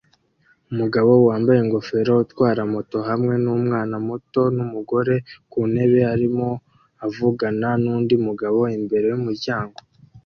Umugabo wambaye ingofero utwara moto hamwe numwana muto numugore kuntebe arimo avugana nundi mugabo imbere yumuryango